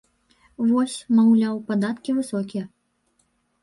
Вось, маўляў, падаткі высокія.